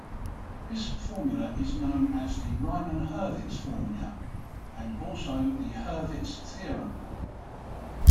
This formula is known as the "Riemann-Hurwitz formula" and also as Hurwitz's theorem.